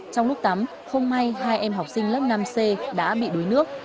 trong lúc tắm không may hai em học sinh lớp năm c đã bị đuối nước